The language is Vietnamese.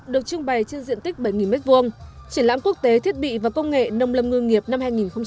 được trưng bày trên diện tích bảy m hai triển lãm quốc tế thiết bị và công nghệ nông lâm ngư nghiệp năm hai nghìn một mươi chín